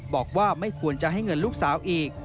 บอกว่าไม่ควรจะให้เงินลูกสาวอีก